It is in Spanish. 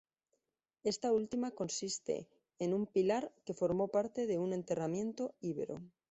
Esta última consistente en un pilar que formó parte de de un enterramiento íbero.